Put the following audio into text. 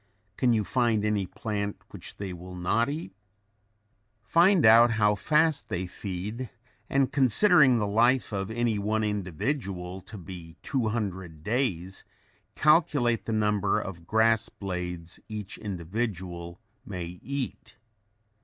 Can you find any plant which they will not eat? Find out how fast they feed and considering the life of any one individual to be 200 days, calculate the number of grass blades each individual may eat.